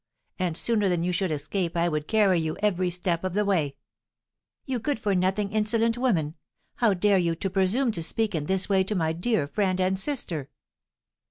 And sooner than you should escape I would carry you every step of the way." "You good for nothing, insolent woman! How dare you presume to speak in this way to my dear friend and sister?"